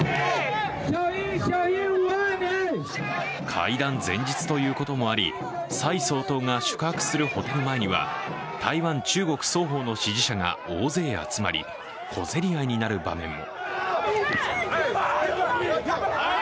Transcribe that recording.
会談前日ということもあり蔡総統が宿泊するホテル前には台湾・中国双方の支持者が大勢集まり小競り合いになる場面も。